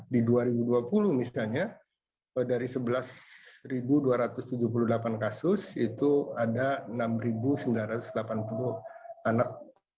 di dua ribu dua puluh misalnya dari sebelas dua ratus tujuh puluh delapan kasus itu ada enam sembilan ratus delapan puluh anak